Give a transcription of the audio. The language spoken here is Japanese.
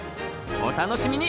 お楽しみに